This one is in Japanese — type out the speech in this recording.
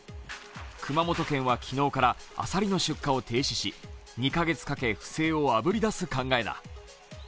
熊本県は昨日からアサリの出荷を停止し２カ月かけ不正をあぶり出す考えだ。